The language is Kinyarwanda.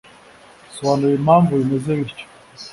sobanura impamvu bimeze bityo.